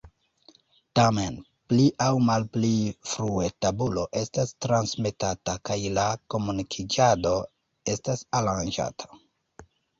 Tamen pli aŭ malpli frue tabulo estas transmetata kaj la komunikiĝado estas aranĝata.